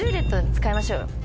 使いましょうよ。